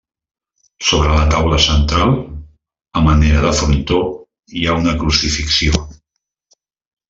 Sobre la taula central, a manera de frontó, hi ha una crucifixió.